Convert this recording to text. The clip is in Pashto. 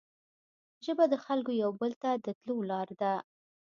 ژبه د خلګو یو بل ته د تلو لاره ده